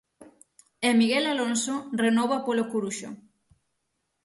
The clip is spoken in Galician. E Miguel Alonso renova polo Coruxo.